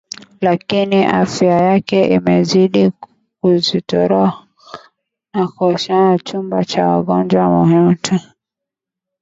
lakini afya yake imezidi kuzorota na hivyo kuhamishwa kwenye chumba cha wagonjwa mahututi